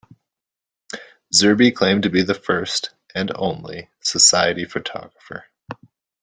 Zerbe claimed to be the first - and only - society photographer.